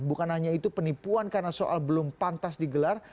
bukan hanya itu penipuan karena soal belum pantas digelar